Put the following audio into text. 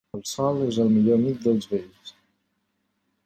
El sol és el millor amic dels vells.